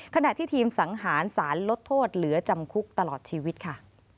ขณะที่ทีมสังหารสารลดโทษเหลือจำคุกตลอดชีวิตค่ะ